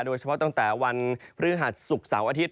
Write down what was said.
โดยเฉพาะตั้งแต่วันฝื้องศาวสุขเสาร์อาทิตย์